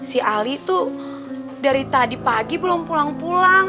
si ali itu dari tadi pagi belum pulang pulang